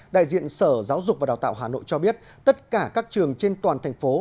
đại diện sở giáo dục và đào tạo hà nội cho biết tất cả các trường trên toàn thành phố